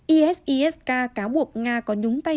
isis k cáo buộc nga có nhúng tay